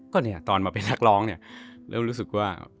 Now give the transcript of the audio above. ก็เนี่ยตอนมาเป็นนักร้องเนี่ยเริ่มรู้สึกว่า